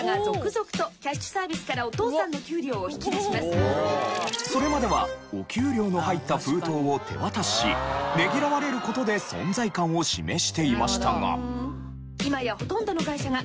それにはそれまではお給料の入った封筒を手渡ししねぎらわれる事で存在感を示していましたが。